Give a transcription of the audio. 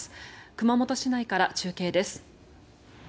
熊本市内から中継です。